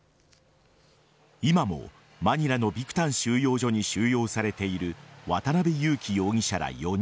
今もマニラのビクタン収容所に収容されている渡辺優樹容疑者ら４人。